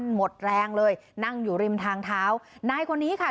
หมดแรงเลยนั่งอยู่ริมทางเท้านายคนนี้ค่ะ